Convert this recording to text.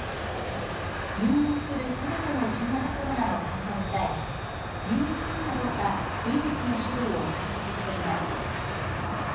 入院するすべての新型コロナの患者に対しＢＡ．２かどうかウイルスの種類を解析しています。